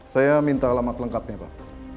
saya minta alamat lengkapnya pak